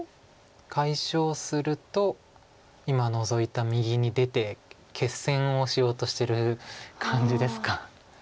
解消すると今ノゾいた右に出て決戦をしようとしてる感じですか。